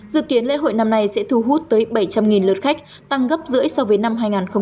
dự kiến lễ hội năm nay sẽ thu hút tới bảy trăm linh lượt khách tăng gấp rưỡi so với năm hai nghìn một mươi tám